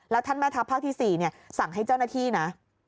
แล้วนะครับภาคที่๔สั่งให้เจ้าหน้าที่นะ